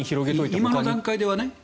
今の段階ではね。